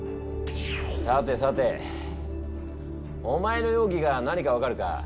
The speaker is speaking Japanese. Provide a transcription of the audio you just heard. さてさてお前の容疑が何か分かるか？